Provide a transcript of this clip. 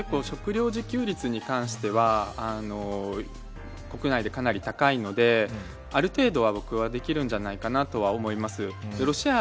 ロシアは結構、食料自給率に関しては国内でかなり高いのである程度は僕はできるんじゃないかなとは思います。